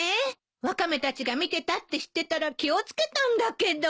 ワカメたちが見てたって知ってたら気を付けたんだけど。